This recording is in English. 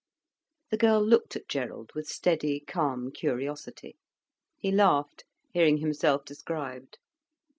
The girl looked at Gerald with steady, calm curiosity. He laughed, hearing himself described.